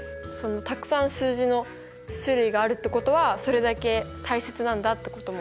たくさん数字の種類があるってことはそれだけ大切なんだってことも。